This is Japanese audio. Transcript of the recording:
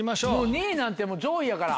２位なんて上位やから。